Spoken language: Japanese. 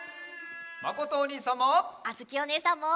まことおにいさんも！